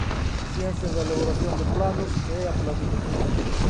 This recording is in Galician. A ciencia da elaboración de planos é a planimetría.